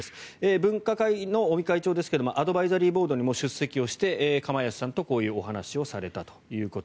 分科会の尾身会長ですがアドバイザリーボードにも出席をして、釜萢さんとこういうお話をされたと。